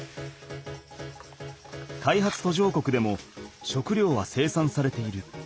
開発途上国でも食料は生産されている。